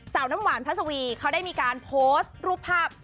น้ำหวานพระสวีเขาได้มีการโพสต์รูปภาพ